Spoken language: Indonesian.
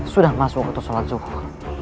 sudah masuk waktu sholat zuhur